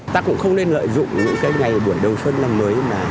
ta cũng không nên lợi dụng những cái ngày buổi đầu xuân năm mới